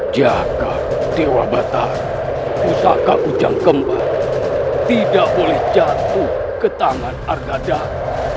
jakab dewa batar pusaka ujang kembal tidak boleh jatuh ke tangan ardhadar